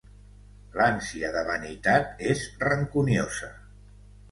L'ànsia de vanitat és rancuniosa.